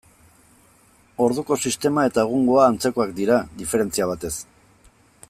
Orduko sistema eta egungoa antzekoak dira, diferentzia batez.